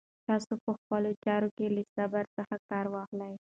تاسو په خپلو چارو کې له صبر څخه کار واخلئ.